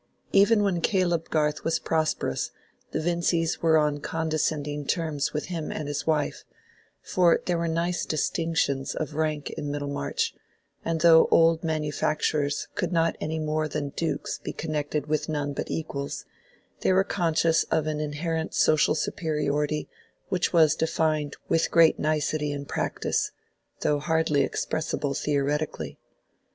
Even when Caleb Garth was prosperous, the Vincys were on condescending terms with him and his wife, for there were nice distinctions of rank in Middlemarch; and though old manufacturers could not any more than dukes be connected with none but equals, they were conscious of an inherent social superiority which was defined with great nicety in practice, though hardly expressible theoretically.